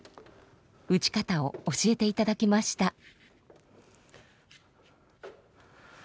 打ち方を教えていただきました。